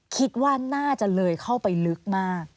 คิดว่าน่าจะเลยเข้าไปลึกมาก